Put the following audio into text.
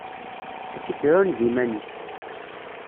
Asif iɛuned iman-is.